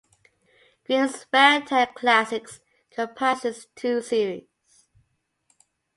"Grimm's Fairy Tale Classics" comprises two series.